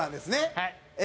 はい。